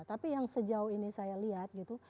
tapi yang sejauh ini saya lihat gitu